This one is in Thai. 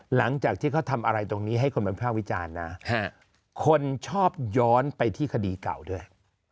หลังจากที่เขาทำอะไรตรงนี้ให้คนเป็นภาควิจารณ์นะคนชอบย้อนไปที่คดีเก่าด้วย